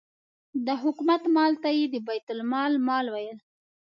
د حکومت مال ته یې د بیت المال مال ویل.